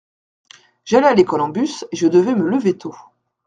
J’allais à l’école en bus et je devais me lever tôt.